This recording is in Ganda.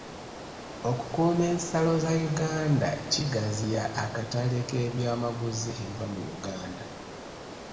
Okukuuma ensalo za Uganda kigaziya akatale k'ebyamaguzi ebiva mu Uganda.